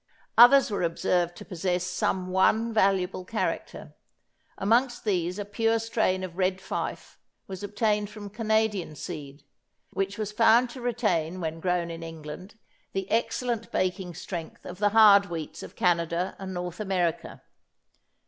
Others were observed to possess some one valuable character. Amongst these a pure strain of Red Fife was obtained from Canadian seed, which was found to retain when grown in England the excellent baking strength of the hard wheats of Canada and North America.